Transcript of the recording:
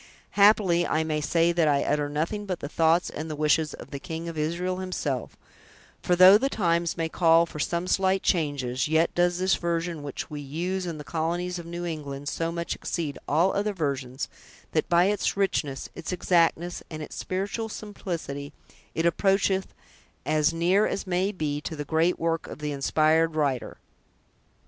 Happily, I may say that I utter nothing but the thoughts and the wishes of the King of Israel himself; for though the times may call for some slight changes, yet does this version which we use in the colonies of New England so much exceed all other versions, that, by its richness, its exactness, and its spiritual simplicity, it approacheth, as near as may be, to the great work of the inspired writer.